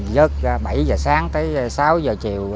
dớt bảy h sáng tới sáu h chiều